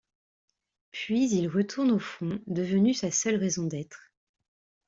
Puis il retourne au front, devenu sa seule raison d'être.